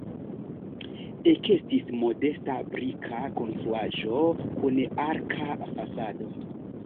Ekestis modesta brika konstruaĵo kun arka fasado.